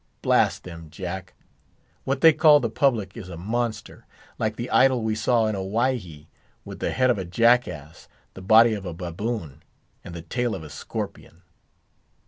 Blast them, Jack, what they call the public is a monster, like the idol we saw in Owhyhee, with the head of a jackass, the body of a baboon, and the tail of a scorpion!"